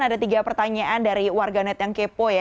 ada tiga pertanyaan dari warganet yang kepo ya